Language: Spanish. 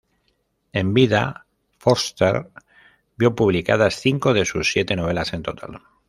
En vida, Forster vio publicadas cinco de sus siete novelas en total.